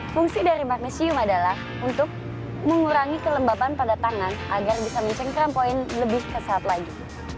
fungsi dari magnesium adalah untuk mengurangi kelembapan pada tangan agar bisa mencengkram poin lebih kesat lagi